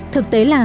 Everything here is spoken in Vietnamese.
thực tế là